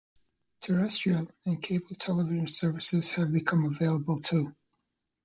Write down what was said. Terrestrial and cable television services have become available too.